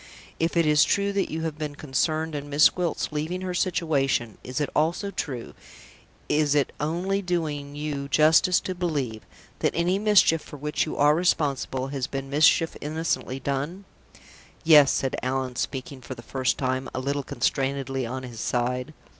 If it is true that you have been concerned in Miss Gwilt's leaving her situation, is it also true is it only doing you justice to believe that any mischief for which you are responsible has been mischief innocently done?" "Yes," said Allan, speaking, for the first time, a little constrainedly on his side.